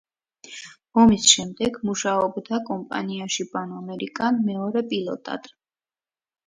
ომის შემდეგ მუშაობდა კომპანიაში „პან ამერიკან“ მეორე პილოტად.